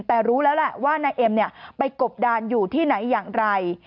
แต่รู้แล้วแหละว่านายเอ็มไปกบดานอยู่ที่ไหนอย่างไร